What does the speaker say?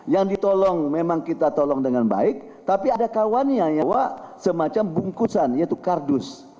yang ditolong memang kita tolong dengan baik tapi ada kawannya nyewa semacam bungkusan yaitu kardus